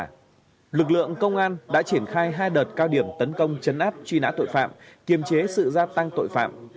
trong sáu tháng đầu năm đảng ủy công an trung ương đánh đạo bộ công an đã chỉ đạo công an đã triển khai hai đợt cao điểm tấn công chấn áp truy nã tội phạm kiềm chế sự gia tăng tội phạm